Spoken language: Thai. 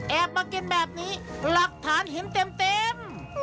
มากินแบบนี้หลักฐานเห็นเต็ม